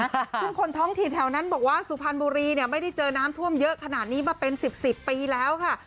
ซึ่งคนท้องถิ่นแถวนั้นบอกว่าสุพรรณบุรีเนี่ยไม่ได้เจอน้ำท่วมเยอะขนาดนี้มาเป็น๑๐ปีแล้วค่ะ